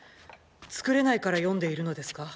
作れないから読んでいるのですか？